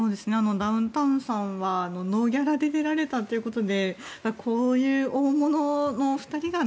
ダウンタウンさんはノーギャラで出られたということでこういう大物のお二人が